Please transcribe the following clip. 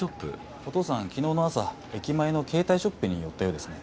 お父さん昨日の朝駅前の携帯ショップに寄ったようですね。